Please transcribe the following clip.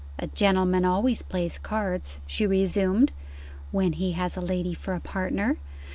"A gentleman always plays cards," she resumed, "when he has a lady for a partner.